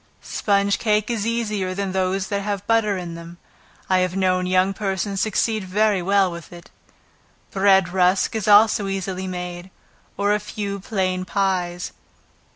Sponge cake is easier than those that have butter in them; I have known young persons succeed very well with it. Bread rusk is also easily made, or a few plain pies.